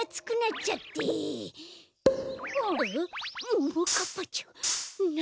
ももかっぱちゃんなんで。